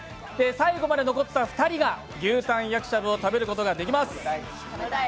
最後まで残った２人が、牛タン焼きしゃぶを食べることが出来ます。